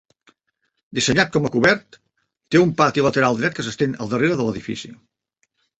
Dissenyat com a cobert, té un pati lateral dret que s'estén al darrere de l'edifici.